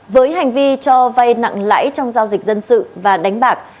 với hành vi cho vay nặng lãi trong giao dịch dân sự và đánh bạc